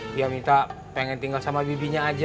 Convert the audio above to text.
dia minta pengen tinggal sama bibinya aja